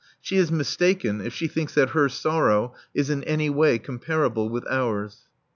She is mistaken if she thinks that her sorrow is in any way comparable with ours.